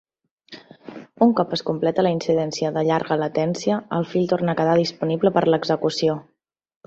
Un cop es completa la incidència de llarga latència, el fil torna a quedar disponible per a l'execució.